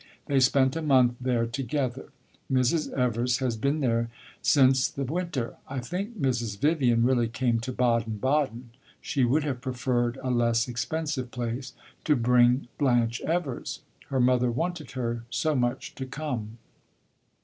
They spent a month there together; Mrs. Evers had been there since the winter. I think Mrs. Vivian really came to Baden Baden she would have preferred a less expensive place to bring Blanche Evers. Her mother wanted her so much to come."